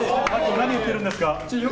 何言ってるんですか。